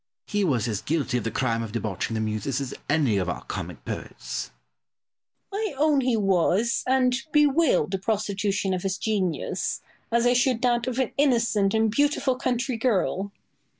He was as guilty of the crime of debauching the Muses as any of our comic poets. Boileau. I own he was, and bewail the prostitution of his genius, as I should that of an innocent and beautiful country girl.